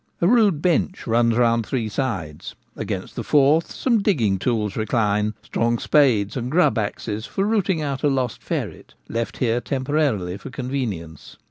A rude bench runs round three sides ; against the fourth 72 The Gamekeeper at Home. some digging tools recline — strong spades and grub axes for rooting out a lost ferret, left here temporarily for convenience.